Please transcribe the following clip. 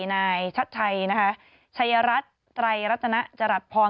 ในชัดไทยชัยรัฐไตรรัฐณะจรัฐพรรณ